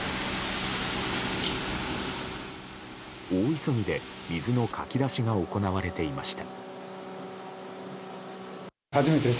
大急ぎで水のかき出しが行われていました。